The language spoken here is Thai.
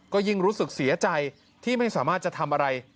ก็ยิ่งรู้สึกเสียใจที่ไม่สามารถจะทำอะไร